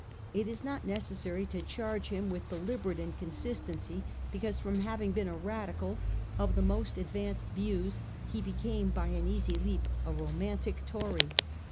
It is not necessary to charge liim with deliberate inconsistency because from having been a Radical of the most advanced views he became by an easy leap a romantic Tory.